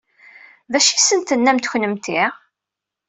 D acu i asen-tennamt kunemti?